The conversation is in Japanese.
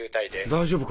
大丈夫か？